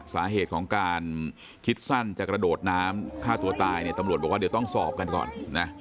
สาเหตุของการคิดสั้นจะกระโดดน้ำฆ่าตัวตายเนี่ยตำรวจบอกว่าเดี๋ยวต้องสอบกันก่อนนะ